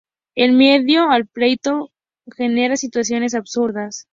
el miedo al pleito genera situaciones absurdas